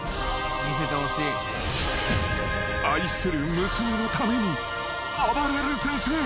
［愛する娘のためにあばれる先生］